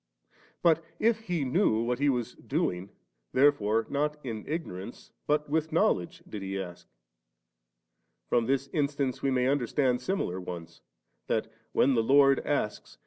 But if He knew what He was doing, therefore not in ignorance, but with knowledge did He asL From this instance we may understand similar ones ; that, when the Lord asks.